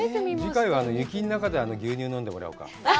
次回は雪の中で牛乳飲んでもらおうか。